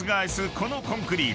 このコンクリート］